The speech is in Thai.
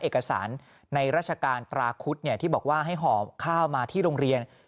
เอกสารในราชการตราคุดที่บอกว่าให้ห่อข้าวมาที่โรงเรียน